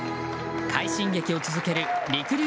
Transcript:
快進撃を続けるりくりゅう